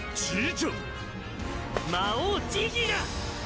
魔王ジギーだ！